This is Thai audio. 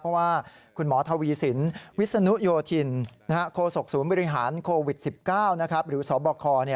เพราะว่าคุณหมอทวีสินวิศนุโยธินโคศกศูนย์บริหารโควิด๑๙หรือสบค